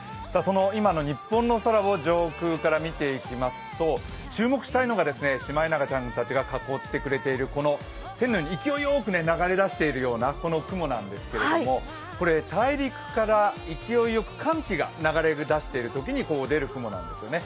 今の日本の空を上空から見ていきますと注目したいのがシマエナガちゃんたちが囲ってくれている、この線のように勢いよく流れ出している雲なんですが大陸から勢いよく寒気が流れ出しているときに出る雲なんですよね。